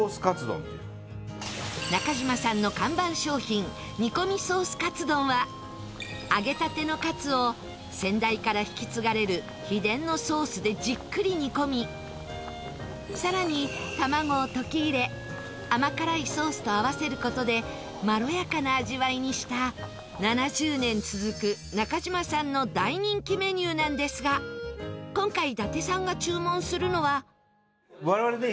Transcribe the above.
なかじまさんの看板商品煮込みソースカツ丼は揚げたてのカツを先代から引き継がれる秘伝のソースでじっくり煮込み更に卵を溶き入れ甘辛いソースと合わせる事でまろやかな味わいにした７０年続くなかじまさんの大人気メニューなんですが今回伊達さんが注文するのは。